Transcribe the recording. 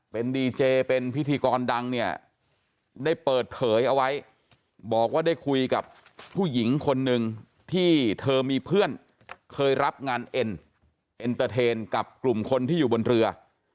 เป็นดีเจเป็นพิธีกรดังเนี่ยได้เปิดเผยเอาไว้บอกว่าได้คุยกับผู้หญิงคนหนึ่งที่เธอมีเพื่อนเคยรับงานเอ็นเอ็นเตอร์เทนกับกลุ่มคนที่อยู่บนเรือ